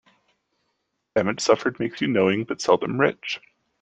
Damage suffered makes you knowing, but seldom rich.